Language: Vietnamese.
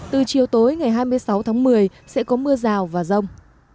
từ chiều tối ngày hai mươi sáu tháng một mươi sẽ có mưa rào và rông